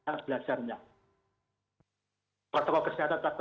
kota kota kesehatan tetap tetap